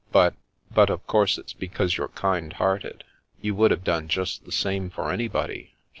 But — ^but of course it's because you're kind hearted. You would have done just the same for anybody.